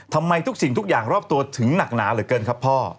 ทำไมทุกสิ่งทุกอย่างรอบตัวถึงหนักหนาเหลือเกินครับพ่อ